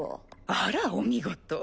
あらお見事。